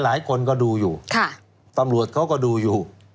หลายคนก็ดูอยู่ตำรวจเขาก็ดูอยู่